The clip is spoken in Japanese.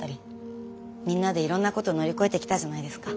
みんなでいろんなこと乗り越えてきたじゃないですか。